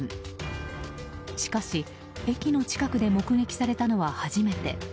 しかし駅の近くで目撃されたのは初めて。